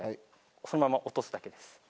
そのまま落とすだけです。